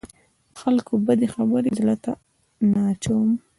د خلکو بدې خبرې زړه ته نه اچوم.